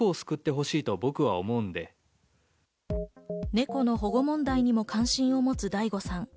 猫の保護問題にも関心を持つＤａｉＧｏさん。